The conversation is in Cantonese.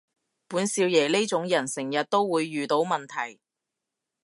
本少爺呢種人成日都會遇到問題